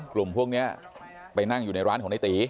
กลุ่มพวกนี้ไปนั่งอยู่ในร้านของในตี